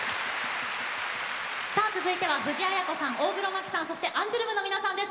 続いては藤あや子さん大黒摩季さんそしてアンジュルムの皆さんです。